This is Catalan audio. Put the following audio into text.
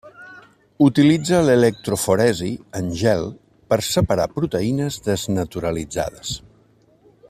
Utilitza l'electroforesi en gel per separar proteïnes desnaturalitzades.